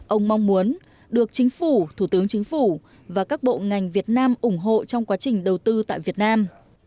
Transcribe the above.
ông mong muốn được chính phủ thủ tướng chính phủ và các bộ ngành việt nam ủng hộ trong quá trình đầu tư tại việt nam